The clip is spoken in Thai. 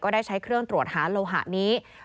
ได้ใช้เครื่องตรวจหาโลหะนี้